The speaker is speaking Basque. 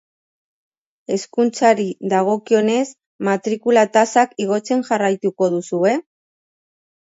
Hezkuntzari dagokionez, matrikula tasak igotzen jarraituko duzue?